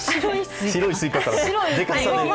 白いスイカかな。